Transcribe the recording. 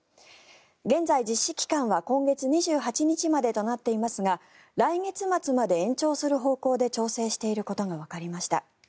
現在、実施期間は今月２８日までとなっていますが来月末まで延長する方向で調整していることがわかりました。